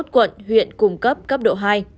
hai mươi một quận huyện cùng cấp cấp độ hai